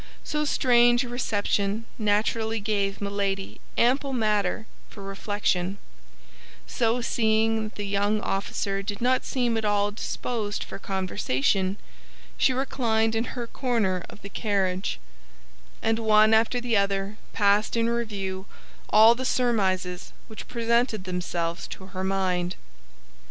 So strange a reception naturally gave Milady ample matter for reflection; so seeing that the young officer did not seem at all disposed for conversation, she reclined in her corner of the carriage, and one after the other passed in review all the surmises which presented themselves to her mind.